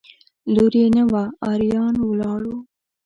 لور یې نه وه اریان ولاړل.